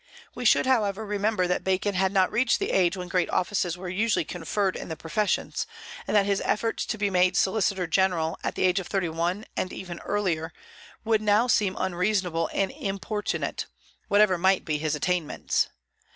We should however remember that Bacon had not reached the age when great offices were usually conferred in the professions, and that his efforts to be made solicitor general at the age of thirty one, and even earlier, would now seem unreasonable and importunate, whatever might be his attainments.